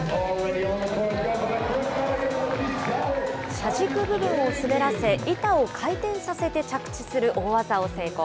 車軸部分を滑らせ板を回転させて着地する大技を成功。